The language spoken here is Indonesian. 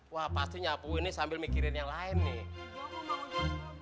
wah pasti nyapu ini sambil mikirin yang lain nih